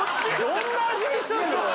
どんな味見すんのよ。